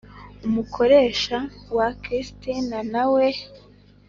Umukoresha wa Christina na we